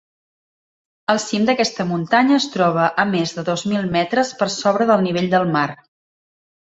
El cim d'aquesta muntanya es troba a més de dos mil metres per sobre del nivell del mar.